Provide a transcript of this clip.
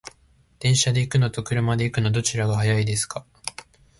電車で行くのと車で行くの、どちらが早いですか？